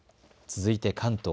続いて関東。